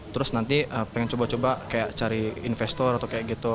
terus nanti pengen coba coba kayak cari investor atau kayak gitu